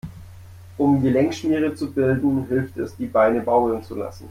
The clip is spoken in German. Um Gelenkschmiere zu bilden, hilft es, die Beine baumeln zu lassen.